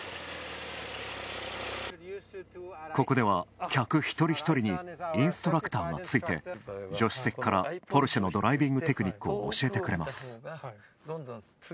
ここでは客１人１人にインストラクターがついて、助手席からポルシェのドライビングテクニックを教えてくれます。